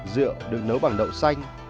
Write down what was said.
rượu được nấu bằng đậu xanh